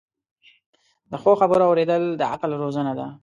د ښو خبرو اوریدل د عقل روزنه ده.